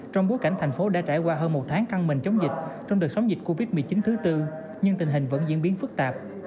trong bối cảnh thành phố đã trải qua hơn một tháng căng mình chống dịch trong đời sống dịch covid một mươi chín thứ tư nhưng tình hình vẫn diễn biến phức tạp